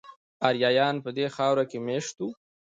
آریایان په دې خاوره کې میشت وو